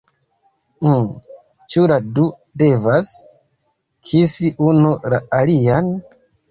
Uh... ĉu la du devas kisi unu la alian?